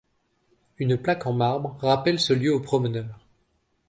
Une plaque en marbre rappelle ce lieu aux promeneurs.